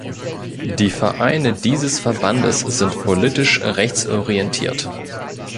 Die Vereine dieses Verbandes sind politisch rechts orientiert.